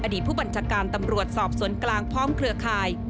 ผู้บัญชาการตำรวจสอบสวนกลางพร้อมเครือข่าย